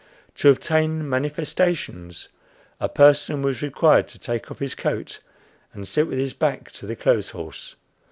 To obtain "manifestations," a person was required to take off his coat and sit with his back to the clothes horse.